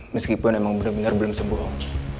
meskipun emang benar benar belum sembuh om